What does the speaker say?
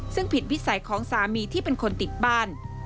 ซึ่งผิดวิสัยของสามีที่เป็นคนติดบ้าน